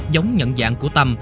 giống nhận dạng của tâm